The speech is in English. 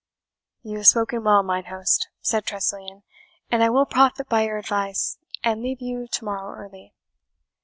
"You have spoken well, mine host," said Tressilian, "and I will profit by your advice, and leave you to morrow early."